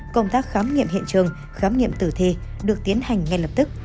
công tác khám nghiệm hiện trường khám nghiệm tử thi được tiến hành ngay lập tức